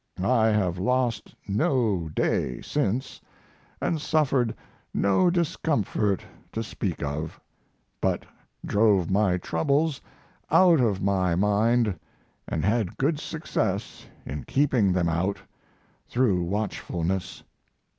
I have lost no day since, and suffered no discomfort to speak of, but drove my troubles out of my mind and had good success in keeping them out through watchfulness.